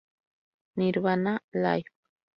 Nirvana: Live!